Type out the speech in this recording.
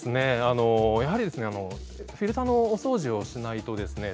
あのフィルターのお掃除をしないとですね